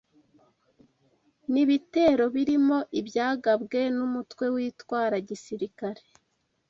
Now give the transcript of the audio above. Ni ibitero birimo ibyagabwe n’umutwe witwara gisirikare